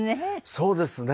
そうですね。